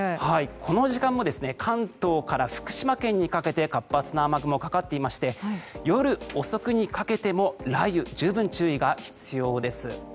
この時間も関東から福島県にかけて活発な雨雲、かかっていまして夜遅くにかけても雷雨には十分注意が必要です。